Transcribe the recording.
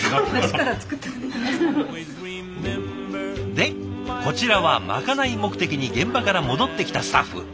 でこちらはまかない目的に現場から戻ってきたスタッフ。